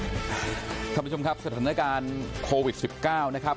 สวัสดีคุณผู้ชมครับสถานการณ์โควิดสิบเก้านะครับ